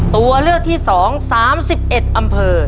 ตัวเลือกที่สองสามสิบเอ็ดอำเภอ